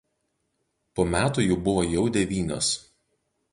Po metų jų buvo jau devynios.